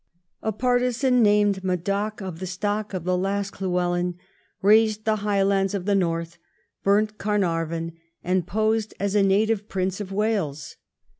A partisan named Madog, of the stock of the last Llywelyn, raised the highlands of the north, burnt Carnarvon, and posed as a native prince of Wales.